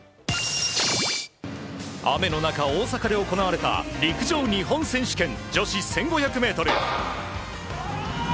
雨の中大阪で行われた陸上日本選手権女子１５００ｍ。